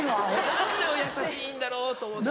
何てお優しいんだろうと思って。